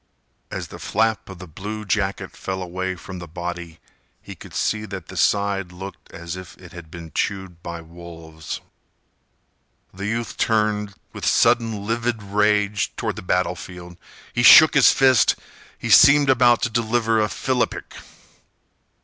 As the flap of the blue jacket fell away from the body, he could see that the side looked as if it had been chewed by wolves. The youth turned, with sudden, livid rage, toward the battlefield. He shook his fist. He seemed about to deliver a philippic.